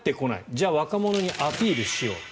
じゃあ若者にアピールしよう。